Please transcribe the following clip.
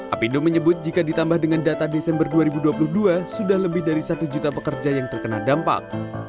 apindo menyebut jika ditambah dengan data desember dua ribu dua puluh dua sudah lebih dari satu juta pekerja yang terkena dampak